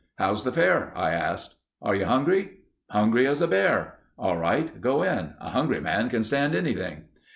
"How's the fare?" I asked. "Are you hungry?" "Hungry as a bear...." "All right. Go in. A hungry man can stand anything."